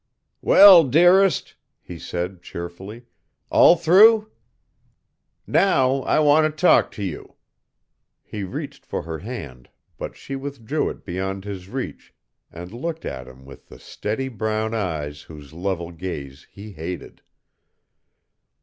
"Well, dearest," he said cheerfully, "all through? Now I want to talk to you " He reached for her hand, but she withdrew it beyond his reach and looked at him with the steady brown eyes whose level gaze he hated.